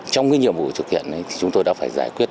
trong cái nhiệm vụ thực hiện chúng tôi đã phải giải quyết